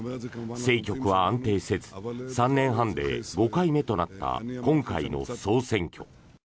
政局は安定せず３年半で５回目となった今回の総選挙。